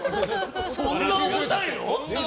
そんな重たいの？